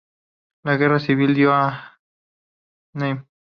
La Guerra Civil dio a Mme.